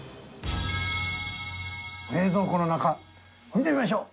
冷蔵庫の中見てみましょう。